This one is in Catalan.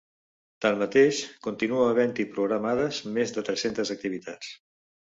Tanmateix, continua havent-hi programades més de tres-centes activitats.